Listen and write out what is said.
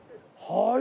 はい。